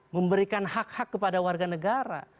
memberikan hak hak kepada warga negara